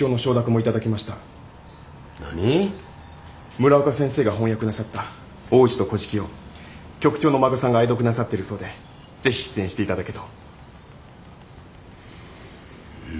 村岡先生が翻訳なさった「王子と乞食」を局長のお孫さんが愛読なさってるそうで是非出演して頂けと。